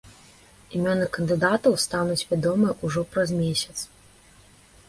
Імёны кандыдатаў стануць вядомыя ужо праз месяц.